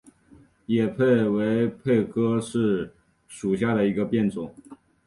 野柿为柿科柿属下的一个变种。